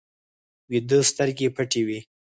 ویده سترګې پټې وي